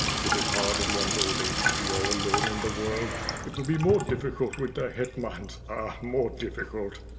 It is hard in one's old age to be all alone in the world. It will be more difficult with the hetmans, ah! more difficult!'